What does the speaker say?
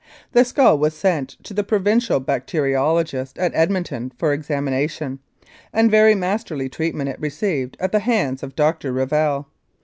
The skull was sent to the Provincial bacteriologist at Edmonton for examination, and very masterly treatment it received at the hands of Dr. Revell.